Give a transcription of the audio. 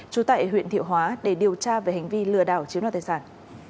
chú tệ huyện thiệu hóa để điều tra về hành vi lừa đảo chiếm loại tài sản